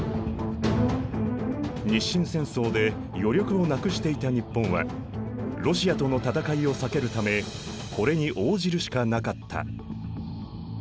日清戦争で余力をなくしていた日本はロシアとの戦いを避けるためこれに応じるしかなかった。